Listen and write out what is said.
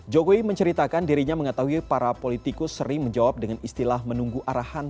jokowi menceritakan dirinya mengetahui para politikus sering menjawab dengan istilah menunggu arahan